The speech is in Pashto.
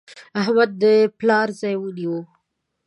احمد د پلار ځای ونیو.